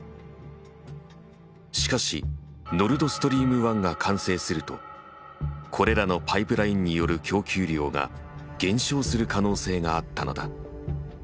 しかしノルドストリーム１が完成するとこれらのパイプラインによる供給量が減少する可能性があったのだ。